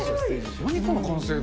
何、この完成度。